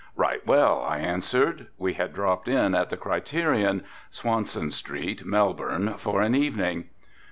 "Right well," I answered. We had dropped in at the Criterion, Swanson street, Melbourne, for an evening.